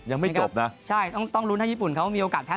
ยังไม่จบนะใช่ต้องต้องลุ้นให้ญี่ปุ่นเขามีโอกาสแพ้